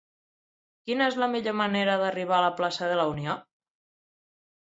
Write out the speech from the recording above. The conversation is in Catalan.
Quina és la millor manera d'arribar a la plaça de la Unió?